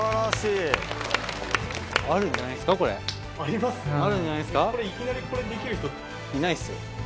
やっぱりいきなりこれできる人？いないですよ。